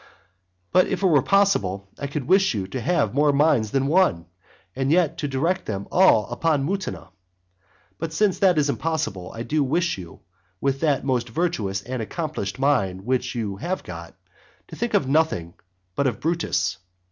But if it were possible, I could wish you to have more minds than one, and yet to direct them all upon Mutina. But since that is impossible, I do wish you, with that most virtuous and all accomplished mind which you have got, to think of nothing but Brutus.